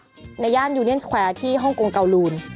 ในย่านยูเนียนสแควร์ที่ฮ่องกงเกาลูน